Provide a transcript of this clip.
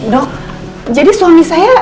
dok jadi suami saya